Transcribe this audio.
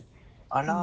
あら！